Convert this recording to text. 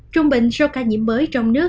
trung bình số ca nhiễm mới trong nước